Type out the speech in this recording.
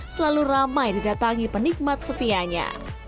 selalu ramai didatangi penikmat setianya